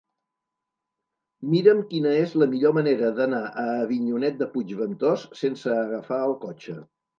Mira'm quina és la millor manera d'anar a Avinyonet de Puigventós sense agafar el cotxe.